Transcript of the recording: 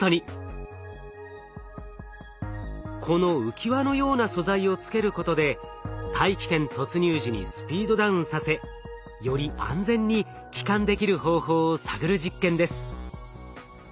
この浮き輪のような素材をつけることで大気圏突入時にスピードダウンさせより安全に帰還できる方法を探る実験です。